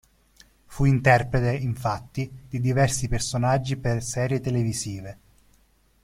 Fu interprete, infatti, di diversi personaggi per serie televisive.